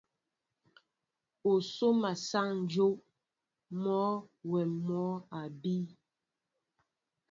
Ó sóma sáŋ dyów, mɔ́ mwɛ̌n mɔ́ a bíy.